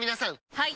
はい！